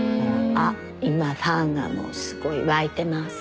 あっ今ファンがもうすごい沸いてます。